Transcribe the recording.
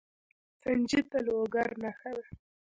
سنجد د لوګر نښه ده.